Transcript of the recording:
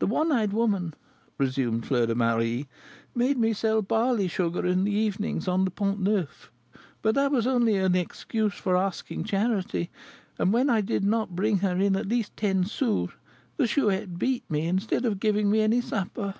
"The one eyed woman," resumed Fleur de Marie, "made me sell barley sugar in the evenings on the Pont Neuf; but that was only an excuse for asking charity; and when I did not bring her in at least ten sous, the Chouette beat me instead of giving me any supper."